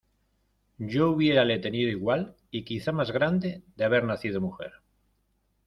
yo hubiérale tenido igual, y quizá más grande , de haber nacido mujer: